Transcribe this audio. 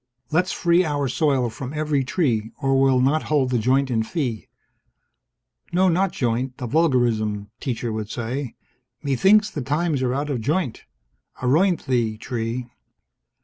Let's free our soil from every tree or we'll not hold the joint in fee. No, not joint. A vulgarism, teacher would say. Methinks the times are out of joint. Aroint thee, tree!